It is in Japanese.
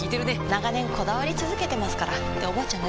長年こだわり続けてますからっておばあちゃん